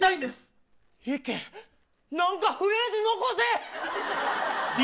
なんかフレーズ残せ。